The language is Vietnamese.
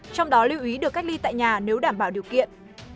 trong đó lưu ý được cách ly tại nhà nếu đảm bảo điều kiện